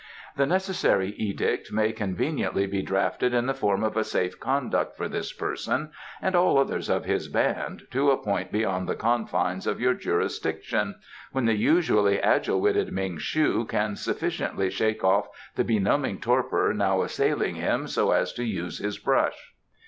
"The necessary edict may conveniently be drafted in the form of a safe conduct for this person and all others of his band to a point beyond the confines of your jurisdiction when the usually agile witted Ming shu can sufficiently shake off the benumbing torpor now assailing him so as to use his brush."